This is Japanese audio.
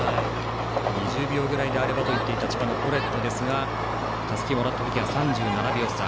２０秒ぐらいならと言っていた千葉のフォレットですがたすきをもらった時は３７秒差。